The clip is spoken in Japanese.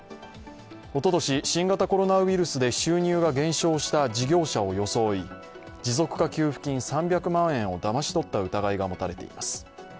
おととし、新型コロナウイルスで収入が減少した事業者を装い持続化給付金３００万円をだまし取った疑いが持たれています。